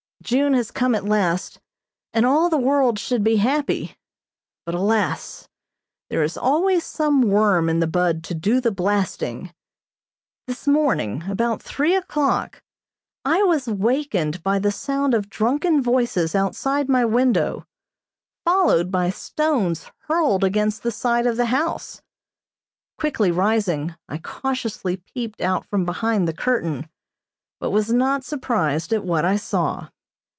June has come at last, and all the world should be happy, but, alas, there is always some worm in the bud to do the blasting. This morning about three o'clock I was wakened by the sound of drunken voices outside my window, followed by stones hurled against the side of the house. Quickly rising, I cautiously peeped out from behind the curtain, but was not surprised at what I saw.